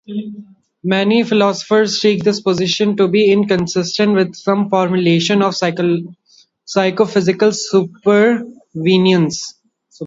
Many philosophers take this position to be inconsistent with some formulations of psychophysical supervenience.